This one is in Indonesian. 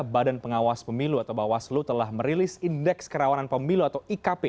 badan pengawas pemilu atau bawaslu telah merilis indeks kerawanan pemilu atau ikp